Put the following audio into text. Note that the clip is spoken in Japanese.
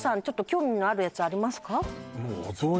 ちょっと興味のあるやつありますか？